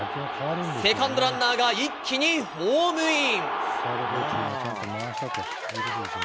セカンドランナーが一気にホームイン。